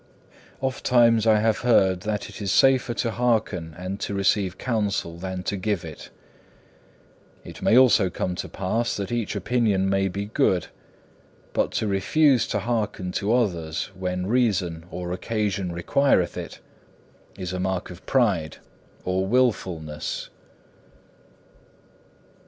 3. Ofttimes I have heard that it is safer to hearken and to receive counsel than to give it. It may also come to pass that each opinion may be good; but to refuse to hearken to others when reason or occasion requireth it, is a mark of pride or wilfulness.